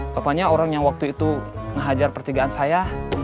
bapaknya orang yang waktu itu ngehajar pertigaan saya